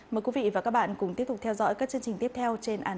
mời quý vị và các bạn cùng tiếp tục theo dõi các chương trình tiếp theo trên anntv